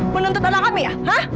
menuntut anak kami ya